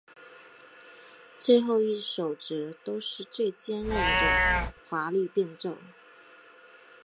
最后一首则都是最艰涩的华丽变奏。